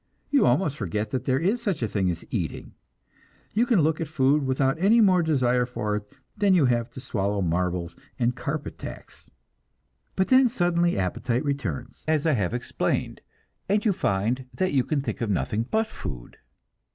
You almost forget that there is such a thing as eating; you can look at food without any more desire for it than you have to swallow marbles and carpet tacks. But then suddenly appetite returns, as I have explained, and you find that you can think of nothing but food.